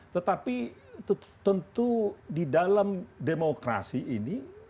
tetapi tentu di dalam demokrasi ini